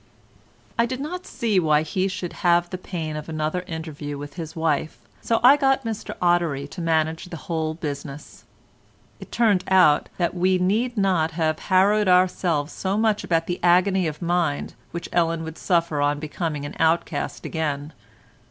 I did not see why he should have the pain of another interview with his wife, so I got Mr Ottery to manage the whole business. It turned out that we need not have harrowed ourselves so much about the agony of mind which Ellen would suffer on becoming an outcast again.